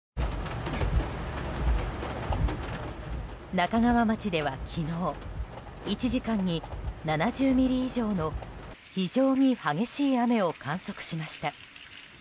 那珂川町では昨日１時間に７０ミリ以上の非常に激しい雨を観測しました。